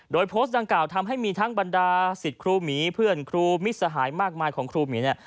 โดยโพสต์ดังกล่าวทำให้มีทั้งบรรดาสิทธิ์ครูหมีเพื่อนครูมิตรสหายมากมายของครูหมีเนี่ย